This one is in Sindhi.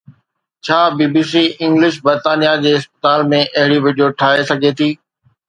ڇا بي بي سي انگلش برطانيه جي اسپتال ۾ اهڙي وڊيو ٺاهي سگهي ٿي؟